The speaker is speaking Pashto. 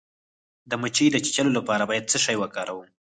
د مچۍ د چیچلو لپاره باید څه شی وکاروم؟